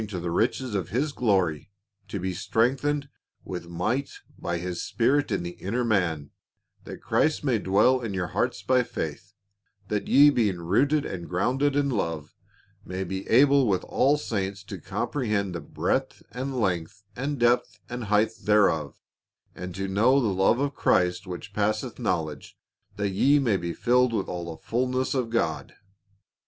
to the riches of his glory, to be strengthened with might by his spirit in the inner man ; that Christ may dwell in your hearts by faith ; that ye being rooted and grounded in love, may be able with all saints to com prehend the breadth and length, and depth and height thereof And to know the love of Christ which passeth knowledge, that ye may be filled with all the fullness of God."